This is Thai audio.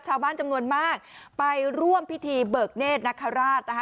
ชาวบ้านจำนวนมากไปร่วมพิธีเบิกเนธนคราชนะคะ